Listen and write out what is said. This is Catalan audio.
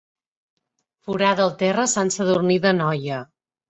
Forada el terra a Sant Sadurní d'Anoia.